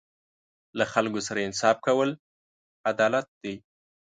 له خلکو سره انصاف کول عدالت دی.